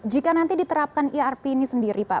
jika nanti diterapkan irp ini sendiri pak